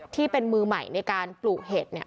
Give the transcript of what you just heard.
ที่เป็นมือใหม่ในการปลุ่ข์เห็ด